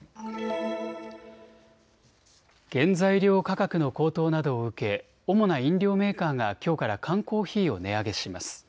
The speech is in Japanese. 原材料価格の高騰などを受け主な飲料メーカーがきょうから缶コーヒーを値上げします。